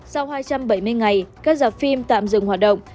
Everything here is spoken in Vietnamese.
sau hai trăm bảy mươi ngày các giả phim tạm dừng hoạt động